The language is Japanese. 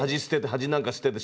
恥なんか捨てて。